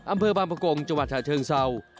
อำเภอบางปะกงจังหวัดชาเชิงเซา